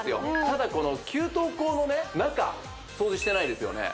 ただこの給湯口の中掃除してないですよね